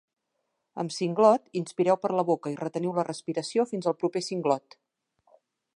Amb singlot inspireu per la boca i reteniu la respiració fins el proper singlot